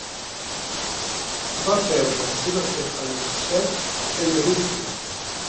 Va perdre la seva fe en els Set aquest mateix dia.